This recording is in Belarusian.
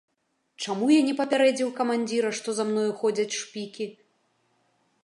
Чаму я не папярэдзіў камандзіра, што за мною ходзяць шпікі?